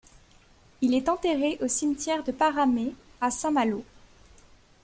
Il est enterré au cimetière de Paramé, à Saint-Malo.